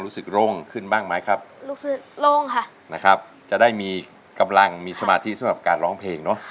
รู้สึกโล่งขึ้นบ้างไหมครับรู้สึกโล่งค่ะนะครับจะได้มีกำลังมีสมาธิสำหรับการร้องเพลงเนอะ